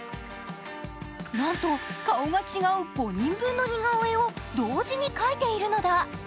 なんと、顔が違う５人分の似顔絵を同時に描いているのだ。